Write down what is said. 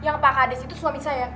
yang pak kades itu suami saya